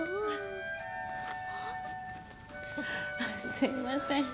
すみません。